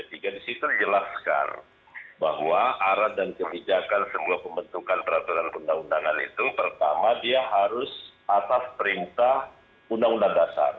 di situ dijelaskan bahwa arah dan kebijakan sebuah pembentukan peraturan undang undangan itu pertama dia harus atas perintah undang undang dasar